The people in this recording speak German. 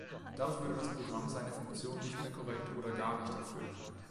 Dadurch würde das Programm seine Funktion nicht mehr korrekt oder gar nicht erfüllen.